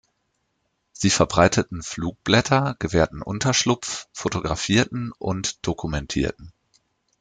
Sie verbreiteten Flugblätter, gewährten Unterschlupf, fotografierten und dokumentierten.